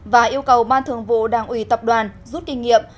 và yêu cầu ban thường vụ đảng ủy tập đoàn rút kinh nghiệm